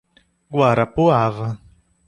Guarapuava